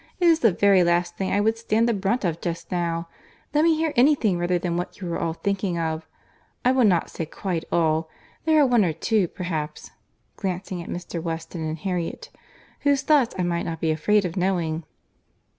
It is the very last thing I would stand the brunt of just now. Let me hear any thing rather than what you are all thinking of. I will not say quite all. There are one or two, perhaps, (glancing at Mr. Weston and Harriet,) whose thoughts I might not be afraid of knowing."